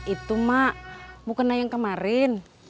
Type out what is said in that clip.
itu mak mau kena yang kemarin